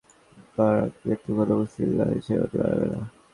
বারাকে কিন্তু কোন মুসলিম বাহিনীর সেনাপতি বানাবে না।